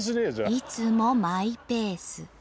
いつもマイペース。